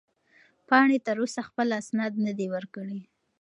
پاڼې تر اوسه خپل اسناد نه دي ورکړي.